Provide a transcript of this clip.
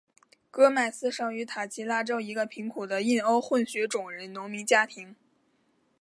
戈麦斯生于塔奇拉州一个贫苦的印欧混血种人农民家庭。